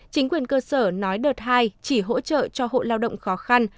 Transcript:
chính quyền cơ sở nói đợt hai chỉ hỗ trợ cho hộ lao động khó khăn